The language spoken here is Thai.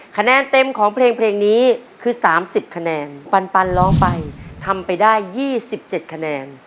คะแนนเต็มของเพลงนี้คือ๓๐คะแนนปันร้องไปทำไปได้๒๗คะแนน